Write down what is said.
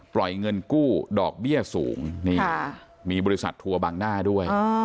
ปล่อยเงินกู้ดอกเบี้ยสูงนี่มีบริษัททัวร์บางหน้าด้วย